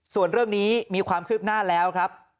ส่วนเรื่องนี้มีความคืบหน้าแล้วครับ